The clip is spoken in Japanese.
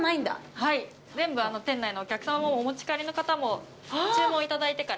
はい全部店内のお客様もお持ち帰りの方も注文いただいてから。